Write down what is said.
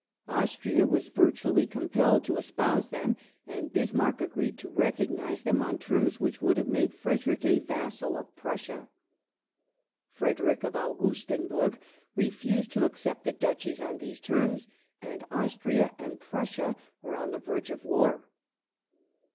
326 THE RULE OF LORD PALMERSTON [1860 Austria was virtually compelled to espouse them, and Bismarck agreed to recognize them on terms which would have made PVederick a vassal of Prussia. Frederick of Augustenburg refused to accept the Duchies on these terms, and Austria and Prussia were on the verge of war.